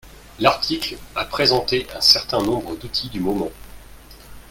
L'article a présenté un certain nombres d'outils du moment